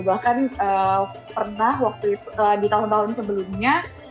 bahkan pernah di tahun tahun sebelumnya